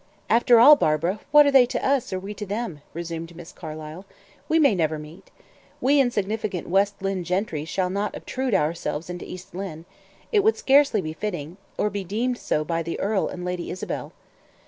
"After all, Barbara, what are they to us, or we to them?" resumed Miss Carlyle. "We may never meet. We insignificant West Lynne gentry shall not obtrude ourselves into East Lynne. It would scarcely be fitting or be deemed so by the earl and Lady Isabel."